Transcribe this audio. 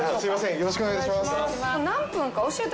よろしくお願いします。